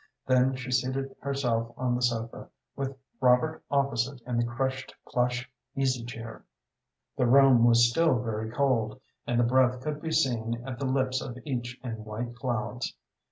Then she seated herself on the sofa, with Robert opposite in the crushed plush easy chair. The room was still very cold, and the breath could be seen at the lips of each in white clouds.